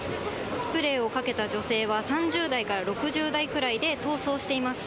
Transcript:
スプレーをかけた女性は３０代から６０代くらいで逃走しています。